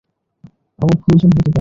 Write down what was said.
আমার প্রয়োজন হতে পারে।